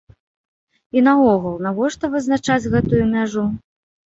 І наогул, навошта вызначаць гэтую мяжу?